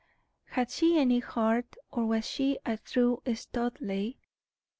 Had she any heart, or was she a true Studleigh?